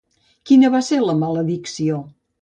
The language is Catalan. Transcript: Quina va ser la maledicció?